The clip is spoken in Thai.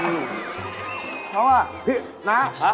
น้องน่ะพี่น้า